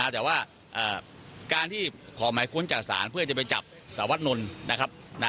แต่ว่าการที่ขอหมายค้นจากศาลเพื่อจะไปจับสารวัตนนท์นะครับ